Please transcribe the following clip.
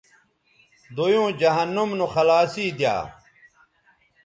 دویوں جہنم نو خلاصی دی یا